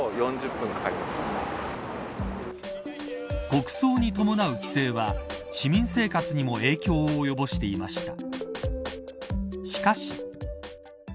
国葬に伴う規制は市民生活にも影響を及ぼしていました。